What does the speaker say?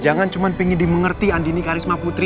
jangan cuma pengen dimengerti andini karisma putri